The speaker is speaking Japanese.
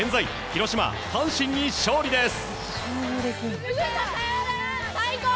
広島、阪神に勝利です。